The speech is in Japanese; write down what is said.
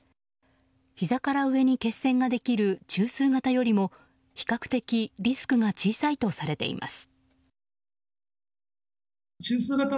ひざから上に血栓ができる中枢型よりも比較的リスクが小さいとされています。